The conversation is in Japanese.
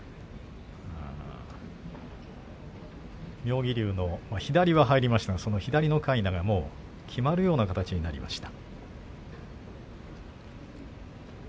妙義龍の左が入りましたが左のかいながきまるような形になりました。